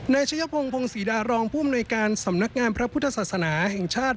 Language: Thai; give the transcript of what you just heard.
ชายพงพงศรีดารองผู้อำนวยการสำนักงานพระพุทธศาสนาแห่งชาติ